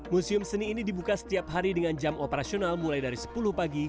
museum seni ini dibuka setiap hari dengan jam operasional mulai dari sepuluh pagi